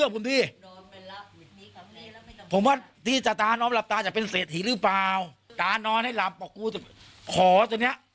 ผมก็ขอว่าให้อาถันนะเป็นพร้อยของจริง